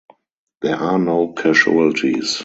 There are no casualties.